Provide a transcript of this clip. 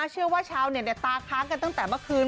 เชื่อว่าชาวเนี่ยตาค้างกันตั้งแต่เมื่อคืน